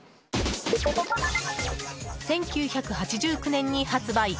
１９８９年に発売。